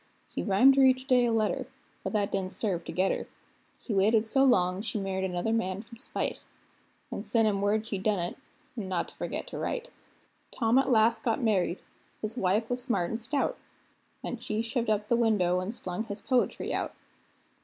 He rhymed her each day a letter, but that didn't serve to get her; He waited so long, she married another man from spite, An' sent him word she'd done it, an' not to forget to write. Tom at last got married; his wife was smart and stout, An' she shoved up the window and slung his poetry out.